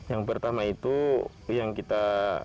yang pertama itu yang kita